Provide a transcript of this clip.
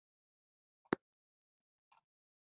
زیات ښې سیاسي اړیکې لرلې خو لازمه پانګه نه لرله.